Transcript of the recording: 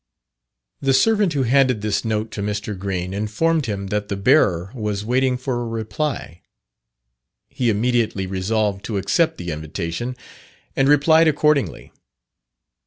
The servant who handed this note to Mr. Green, informed him that the bearer was waiting for a reply. He immediately resolved to accept the invitation, and replied accordingly.